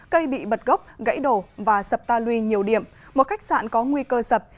cây bị bật gốc gãy đổ và sập ta lui nhiều điểm một khách sạn có nguy cơ sập